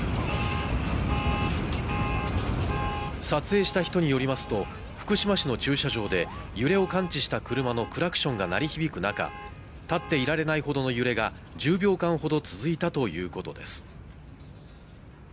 撮影した人によりますと、福島市の駐車場で揺れを感知した車のクラクションが鳴り響く中、立っていられないほどの揺れが１０秒間ほど続いたということです。